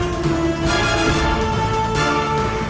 selamat tinggal puteraku